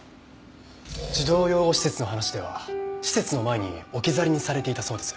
児童養護施設の話では施設の前に置き去りにされていたそうです。